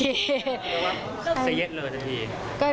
หรือว่าเศรษฐ์เลยสักที